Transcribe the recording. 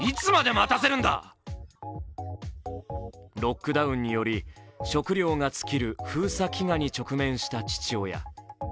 ロックダウンにより食料が尽きる封鎖飢餓に直面した父親。